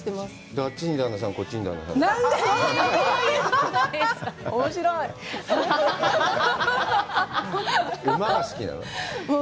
あっちに旦那さん、こっちに旦那さん？